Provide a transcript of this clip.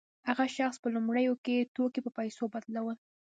هغه شخص به په لومړیو کې توکي په پیسو بدلول